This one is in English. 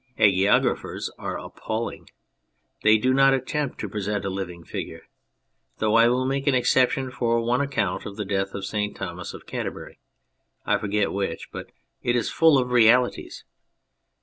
Hagiographers are appalling. They do not attempt to present a living figure, though I will make an exception for one account of the death of St. Thomas of Canterbury ; I forget which, but it is full of realities.